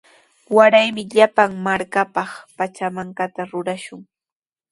Waraymi llapan markapaq pachamankata rurashun.